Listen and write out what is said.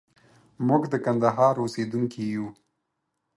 موږ د کندهار اوسېدونکي يو.